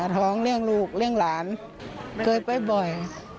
ท้องเลี่ยงลูกเลี่ยงหลานเคยไปบ่อย